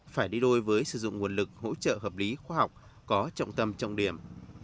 phải đi đôi với sử dụng nguồn lực hỗ trợ hợp lý khoa học có trọng tâm trọng điểm